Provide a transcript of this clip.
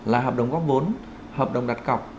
là hợp đồng góp vốn hợp đồng đặt cọc